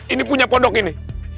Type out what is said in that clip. ini punya podok ini